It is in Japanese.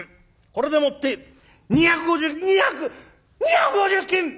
これでもって２５０金」。